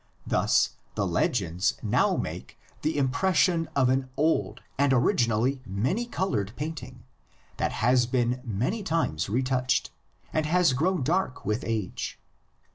Thus the legends now make the impression of an old and originally many colored painting that has been many times re touched and has grown dark with age.